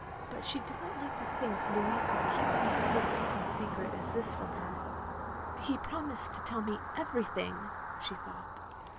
But she did not like to think Louis cotdd keep even so small a secret as this from her. "He promised to tell me everything/' she thought.